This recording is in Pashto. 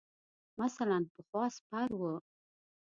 مثلاً پخوا سپر ؤ.